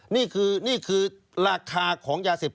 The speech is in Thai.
นี่คือราคาของยาเสพ